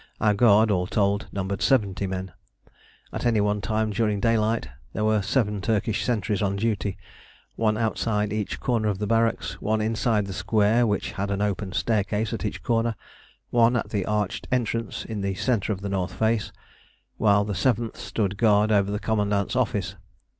Our guard, all told, numbered 70 men. At any one time during daylight there were seven Turkish sentries on duty: one outside each corner of the barracks, one inside the square which had an open staircase at each corner, one at the arched entrance in the centre of the north face, while the seventh stood guard over the commandant's office.